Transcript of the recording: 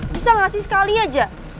bisa nggak sih sekali aja